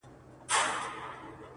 سم داسي ښكاري راته!